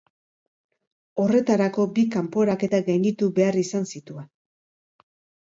Horretarako bi kanporaketa gainditu behar izan zituen.